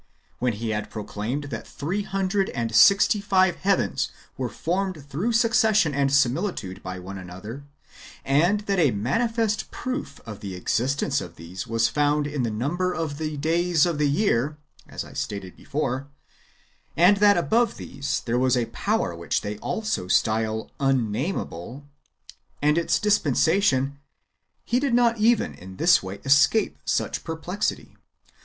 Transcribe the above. When he had proclaimed that three hundred and sixty five heavens were formed through succession and similitude by one another, and that a manifest proof [of the existence] of these was found in the number of the days of the year, as I stated before; and that above these there was a power which they also style Unnameable, and its dispensation — he did not even in this way escape such perplexity.